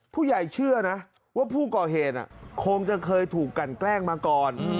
ผู้ก่อเหตุอ่ะคงจะเคยถูกกันแกล้งมาก่อน